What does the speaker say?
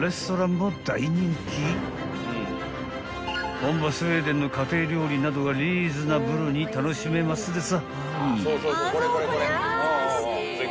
［本場スウェーデンの家庭料理などがリーズナブルに楽しめますですはい］